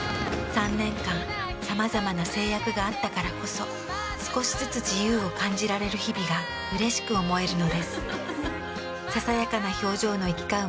３年間さまざまな制約があったからこそ少しずつ自由を感じられる日々がうれしく思えるのです。